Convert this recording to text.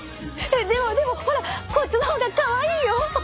でもでもほらこっちの方がかわいいよ！